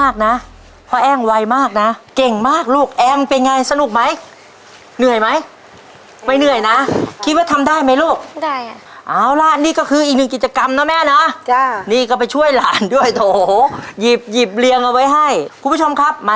ไข่อะไรลูก